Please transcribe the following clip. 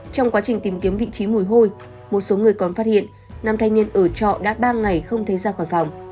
trong quá trình tìm kiếm vị trí mùi hôi một số người còn phát hiện nam thanh niên ở trọ đã ba ngày không thấy ra khỏi phòng